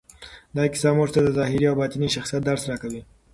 دا کیسه موږ ته د ظاهري او باطني شخصیت درس راکوي.